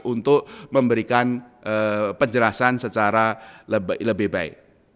untuk memberikan penjelasan secara lebih baik